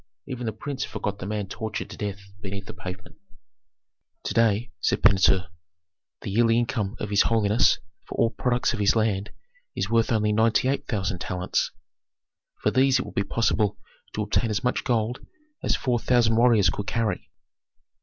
Even the prince forgot the man tortured to death beneath the pavement. "To day," said Pentuer, "the yearly income of his holiness for all products of his land is worth only ninety eight thousand talents. For these it would be possible to obtain as much gold as four thousand warriors could carry."